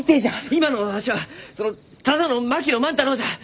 今のわしはそのただの槙野万太郎じゃ！